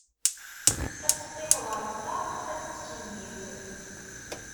Ad teqqim ɣer ṭṭaq ad tettkeyyif.